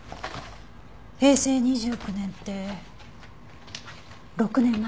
平成２９年って６年前？